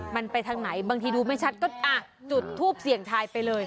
มันไปทางไหนบางทีดูไม่ชัดก็อ่ะจุดทูปเสี่ยงทายไปเลย